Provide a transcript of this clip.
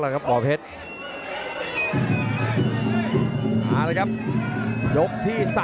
ครับยกที่๓